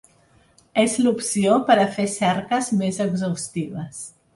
És l’opció per a fer cerques més exhaustives.